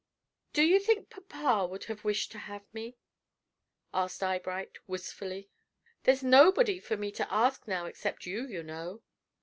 "Do you think papa would have wished to have me?" asked Eyebright, wistfully. "There's nobody for me to ask now except you, you know.